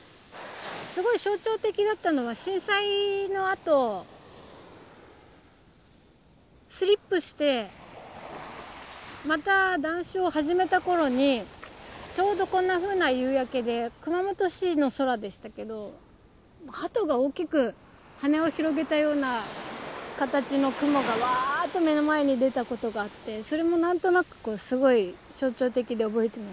すごい象徴的だったのは震災のあとスリップしてまた断酒を始めた頃にちょうどこんなふうな夕焼けで熊本市の空でしたけどハトが大きく羽を広げたような形の雲がわっと目の前に出たことがあってそれも何となくすごい象徴的で覚えてますね。